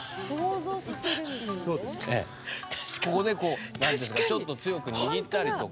ここで、こうちょっと強く握ったりとか。